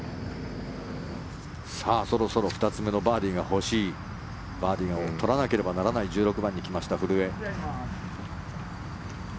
さあ、そろそろ２つ目のバーディーが欲しいバーディーを取らなければならない１６番に来ました、古江。